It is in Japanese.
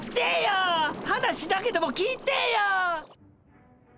話だけでも聞いてぇや！